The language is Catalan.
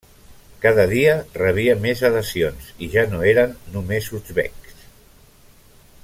Cada dia rebia més adhesions i ja no eren només uzbeks.